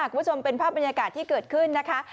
คุณผู้ชมเป็นภาพบรรยากาศที่เกิดขึ้นนะคะ